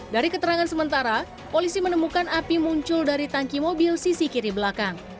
dari keterangan sementara polisi menemukan api muncul dari tangki mobil sisi kiri belakang